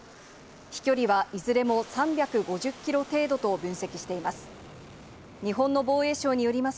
飛距離はいずれも３５０キロ程度と分析しています。